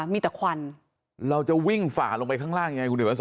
มีแต่ควันเราจะวิ่งฝาลงไปข้างล่าง